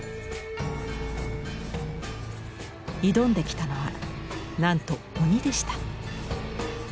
挑んできたのはなんと鬼でした。